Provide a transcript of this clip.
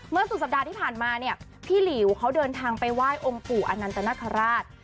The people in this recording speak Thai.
สุดสัปดาห์ที่ผ่านมาเนี่ยพี่หลิวเขาเดินทางไปไหว้องค์ปู่อนันตนคราช